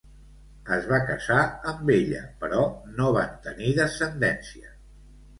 Es va casar amb ella però no van tenir descendència.